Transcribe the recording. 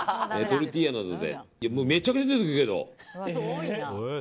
めちゃくちゃ出てくるけど。